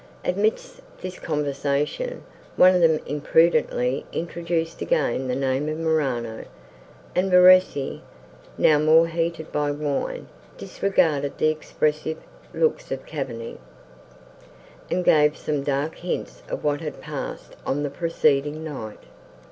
Amidst this conversation, one of them imprudently introduced again the name of Morano; and Verezzi, now more heated by wine, disregarded the expressive looks of Cavigni, and gave some dark hints of what had passed on the preceding night.